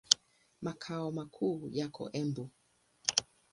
Makao makuu yako Embu.